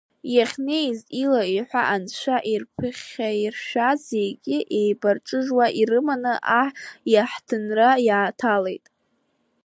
Иахьнеиз, ила-иҳәа анцәа ирԥыхьаиршәаз зегьы, еибарҿыжуа ирыманы аҳ иаҳҭынра иааҭалеит.